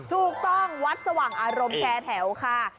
ถูกต้องวัดสว่างอารมณ์แท้แถวค่ะ